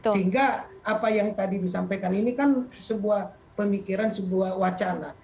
sehingga apa yang tadi disampaikan ini kan sebuah pemikiran sebuah wacana